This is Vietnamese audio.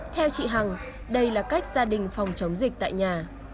theo chị hằng đây là cách gia đình phòng chống dịch tại nhà